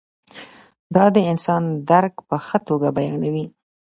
دا د انسان درک په ښه توګه بیانوي.